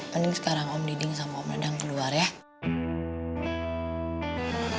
mending sekarang om diding sama om nedang keluar ya